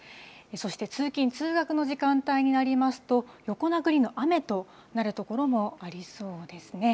そして通勤・通学の時間帯になりますと、横殴りの雨となる所もありそうですね。